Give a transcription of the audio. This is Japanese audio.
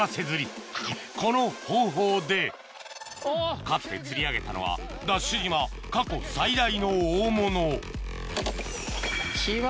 この方法でかつて釣り上げたのはＤＡＳＨ島過去最大の大物来ました！